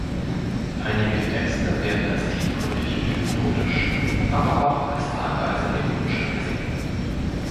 Einige der Texte werden als tiefgründig und „hypnotisch“, aber auch als teilweise ironisch angesehen.